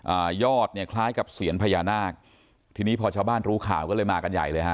อ่ายอดเนี่ยคล้ายกับเสียญพญานาคทีนี้พอชาวบ้านรู้ข่าวก็เลยมากันใหญ่เลยฮะ